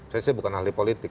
saya sih bukan ahli politik